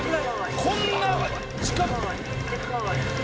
こんな近く！」